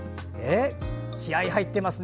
気合い入ってますね。